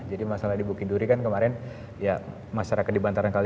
jadi masalah di bukit duri kan kemarin ya masyarakat di bantaran kali